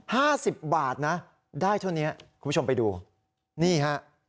ห้าสิบบาทนะได้เท่านี้คุณผู้ชมไปดูนี่ฮะ